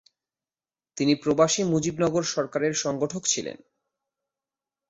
তিনি প্রবাসী মুজিবনগর সরকারের সংগঠক ছিলেন।